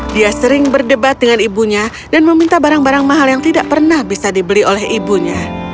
dia sering berdebat dengan ibunya dan meminta barang barang mahal yang tidak pernah bisa dibeli oleh ibunya